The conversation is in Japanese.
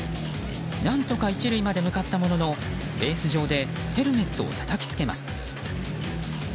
何とか１塁まで向かったもののベース上でヘルメットをたたきつけます。